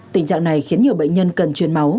tình trạng này khiến nhiều bệnh nhân cần truyền máu